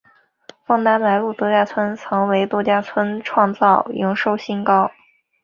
枫丹白露度假村曾为度假村创造营收新高。